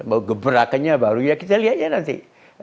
mau gebrakannya baru ya kita lihat ya nanti